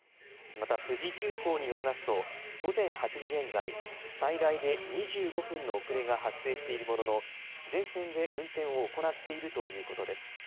また、富士急行によりますと午前８時現在、最大で２５分の遅れが発生しているものの全線で運転を行っているということです。